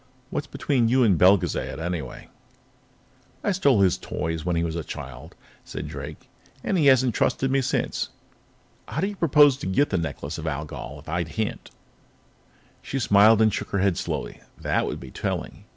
"What's between you and Belgezad, anyway?" "I stole his toys when he was a child," said Drake, "and he hasn't trusted me since. How do you propose to get the Necklace of Algol if I can't?" She smiled and shook her head slowly. "That would be telling.